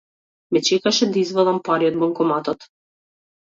Ме чекаше да извадам пари од банкоматот.